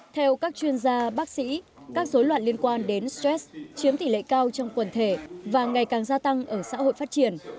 theo các chuyên gia bác sĩ các dối loạn liên quan đến stress chiếm tỷ lệ cao trong quần thể và ngày càng gia tăng ở xã hội phát triển